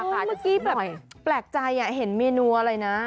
เมื่อกี้แบบแปลกใจเห็นเมนูอะไรนะ